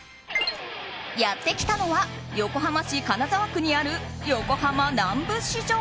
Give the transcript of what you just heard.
やってきたのは横浜市金沢区にある横浜南部市場。